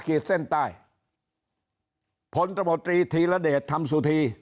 ขีดเส้นใต้ผลตมตรีธีรเดชธรรมสุธี